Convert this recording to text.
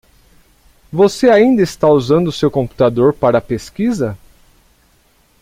Você ainda está usando seu computador para a pesquisa?